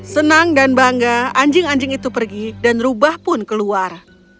senang dan bangga anjing anjing itu pergi dan rubah pun keluar